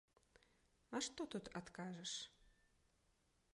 А што тут адкажаш?